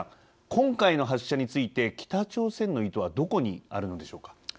今回の発射について北朝鮮の意図はどこにあるのでしょうか。